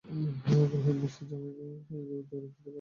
অগ্রহায়ণ মাসে জমায়েত হয় দূর দূরান্ত থেকে আসা নানা মারফতি ফকিরের দল।